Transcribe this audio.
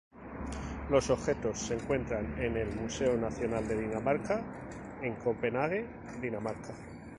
Los objetos se encuentran en el Museo Nacional de Dinamarca en Copenhague, Dinamarca.